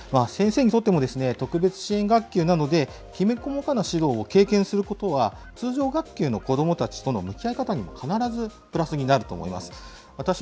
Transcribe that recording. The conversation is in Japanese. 先生にとっても、特別支援学級なので、きめ細かな指導を経験することは、通常学級の子どもたちとの向き合い方にも、必ずプラスになると思います。